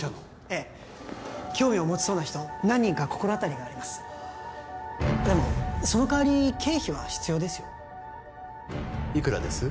ええ興味を持ちそうな人何人か心当たりがありますでもその代わり経費は必要ですよいくらです？